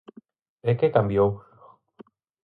¿E que cambiou?